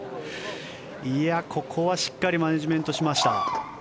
ここはしっかりマネジメントしました。